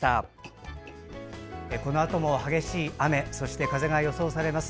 このあとも激しい雨風が予想されます。